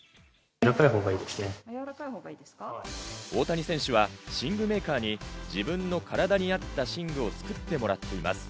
大谷選手は寝具メーカーに自分の体に合った寝具を作ってもらっています。